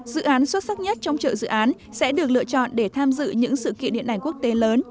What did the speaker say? dự án xuất sắc nhất trong trợ dự án sẽ được lựa chọn để tham dự những sự kiện điện ảnh quốc tế lớn